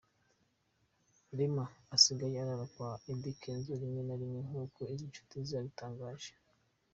Rema asigaye arara kwa Eddy Kenzo rimwe na rimwe nkuko izi nshuti zabitangaje.